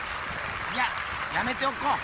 いややめておこう。